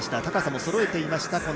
高さもそろえていました